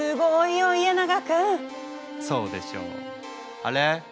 あれ？